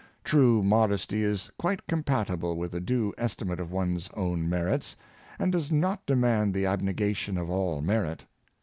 True modesty is quite compatible with a due estimate of one's own merits, and does not de mand the abnegation of all merit.